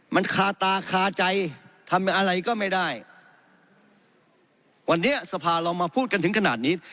มันคาตาคาใจทำอะไรก็ไม่ได้วันนี้สภาเรามาพูดกันถึงขนาดนี้